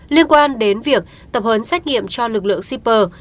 liên quan đến việc tập hấn xét nghiệm cho lực lượng sipr